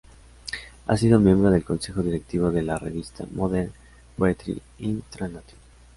Ha sido miembro del Consejo Directivo de la Revista Modern Poetry in Translation.